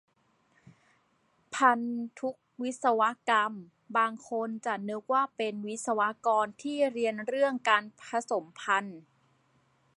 พันธุวิศวกรรม บางคนจะนึกว่าเป็นวิศวกรที่เรียนเรื่องการผสมพันธุ์